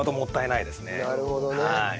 なるほどね。